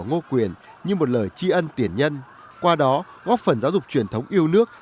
việt nam liên hiển như một lời tri ân tiền nhân qua đó góp phần giáo dục truyền thống yêu nước